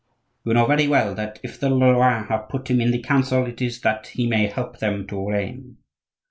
"You know very well that if the Lorrains have put him in the council it is that he may help them to reign."